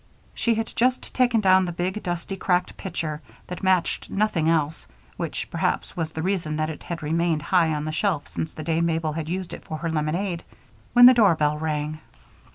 She had just taken down the big, dusty, cracked pitcher that matched nothing else which perhaps was the reason that it had remained high on the shelf since the day Mabel had used it for her lemonade when the doorbell rang.